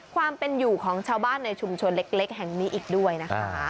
ความเป็นอยู่ของชาวบ้านในชุมชนเล็กแห่งนี้อีกด้วยนะคะ